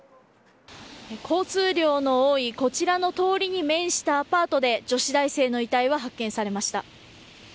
交通量の多いこちらの通りに面したアパートで女子大生の遺体は発見されました。